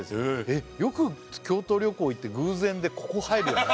えっよく京都旅行行って偶然でここ入るよね